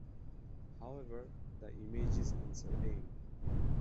However, the image is uncertain.